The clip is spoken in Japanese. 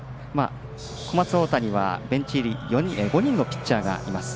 小松大谷はベンチ入り５人のピッチャーがいます。